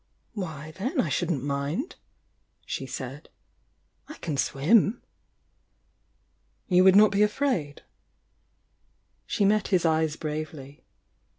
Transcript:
— Why, then I shouldn't mind!" she said. "I can swim." "You would not be afraid?" She met his eyes bravely.